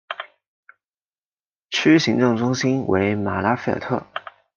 区行政中心为马拉费尔特。